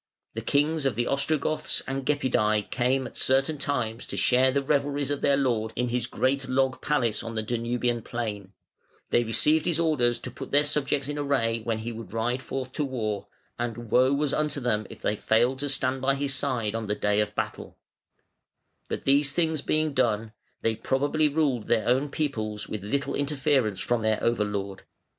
The kings of the Ostrogoths and Gepidæ came at certain times to share the revelries of their lord in his great log palace on the Danubian plain; they received his orders to put their subjects in array when he would ride forth to war, and woe was unto them if they failed to stand by his side on the day of battle; but these things being done, they probably ruled their own peoples with little interference from their over lord.